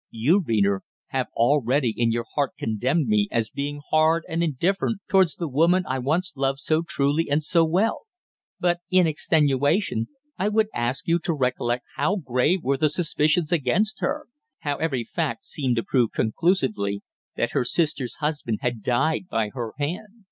You, reader, have already in your heart condemned me as being hard and indifferent towards the woman I once loved so truly and so well. But, in extenuation, I would ask you to recollect how grave were the suspicions against her how every fact seemed to prove conclusively that her sister's husband had died by her hand.